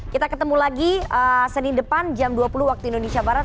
kita ketemu lagi senin depan jam dua puluh waktu indonesia barat